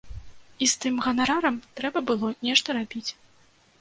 І з тым ганарарам трэба было нешта рабіць.